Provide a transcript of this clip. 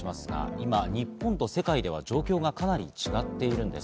今、日本と世界では状況がかなり違っているんです。